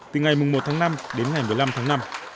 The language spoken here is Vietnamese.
từ ngày một tháng năm đến ngày một mươi năm tháng năm